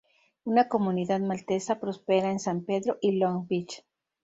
Una comunidad maltesa prospera en San Pedro y Long Beach.